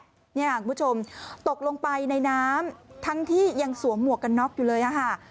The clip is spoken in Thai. คุณผู้ชมตกลงไปในน้ำทั้งที่ยังสวมหมวกกันน็อกอยู่เลยค่ะ